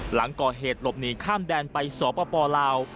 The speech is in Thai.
หลังก่อเหตุหลบหนีข้ามแดนไปสปลาว